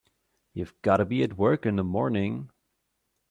You've got to be at work in the morning.